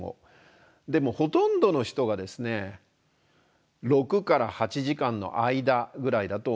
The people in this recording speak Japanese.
でもほとんどの人がですね６８時間の間ぐらいだと思って下さい。